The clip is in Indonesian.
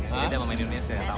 beda dengan indonesia